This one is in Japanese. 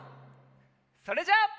それじゃあ。